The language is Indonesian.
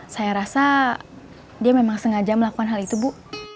saya rasa dia memang sengaja melakukan hal itu bu